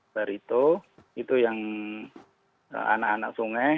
barito itu yang anak anak sungai